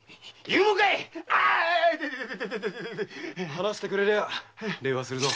話してくれりゃ礼はするぞ。